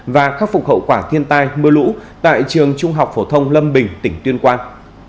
và khắc phục hậu quả thiên tai mưa lũ tại trường trung học phổ thông lâm bình tỉnh tuyên quang